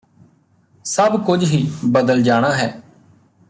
ਸਭ ਕੁਝ ਹੀ ਬਦਲ ਜਾਣਾ ਹੈ